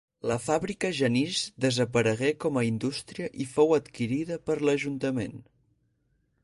La fàbrica Genís desaparegué com a indústria i fou adquirida per l'Ajuntament.